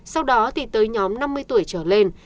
sau đó thì tới nhóm năm mươi tuổi trở lên